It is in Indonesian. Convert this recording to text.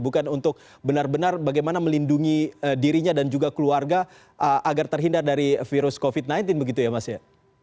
bukan untuk benar benar bagaimana melindungi dirinya dan juga keluarga agar terhindar dari virus covid sembilan belas begitu ya mas ya